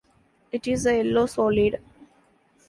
It is a yellow solid.